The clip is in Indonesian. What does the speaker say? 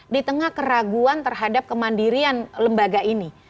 di tengah keraguan terhadap kemandirian lembaga ini